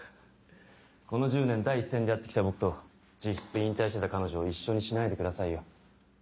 この１０年第一線でやってきた僕と実質引退してた彼女を一緒にしないでくださいよ。